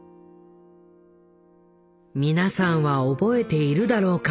皆さんは覚えているだろうか？